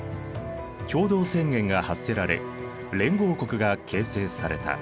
共同宣言が発せられ連合国が形成された。